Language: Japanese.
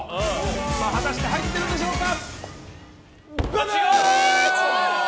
果たして入ってるのでしょうか。